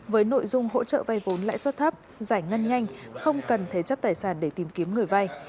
với nội dung hỗ trợ vay vốn lãi suất thấp giải ngân nhanh không cần thế chấp tài sản để tìm kiếm người vay